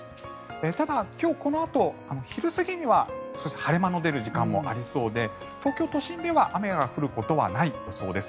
ただ、今日このあと昼過ぎには晴れ間の出る時間もありそうで東京都心では雨が降ることはない予想です。